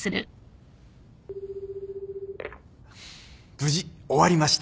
無事終わりました。